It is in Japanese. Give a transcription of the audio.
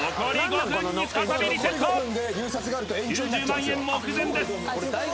９０万円目前です